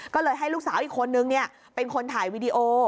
ก็เลยให้ลูกสาวอีกคนนึงเป็นคนถ่ายวีดีโอ